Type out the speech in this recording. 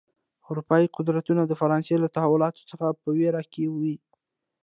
اروپايي قدرتونه د فرانسې له تحولاتو څخه په وېره کې و.